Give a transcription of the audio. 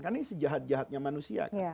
karena ini sejahat jahatnya manusia